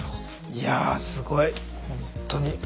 いやすごいほんとに。